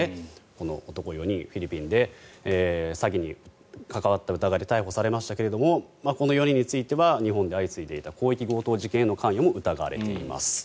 この男４人、フィリピンで詐欺に関わった疑いで逮捕されましたけれどもこの４人については日本で相次いでいた広域強盗事件の関与も疑われています。